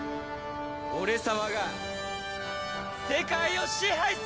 俺様が世界を支配する！